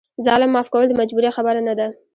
ظالم معاف کول د مجبورۍ خبره نه ده.